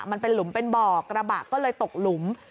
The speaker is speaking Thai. มันเป็นหลุมเป็นบ่อกระบะก็เลยตกหลุม